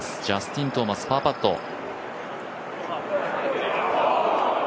ジャスティン・トーマス、パーパット。